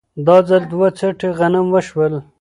دا ځل دوه څټې غنم وشول